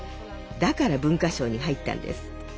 だから文化省に入ったんです。